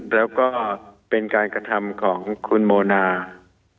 แล้วก็เป็นการกระทำของคุณโมนา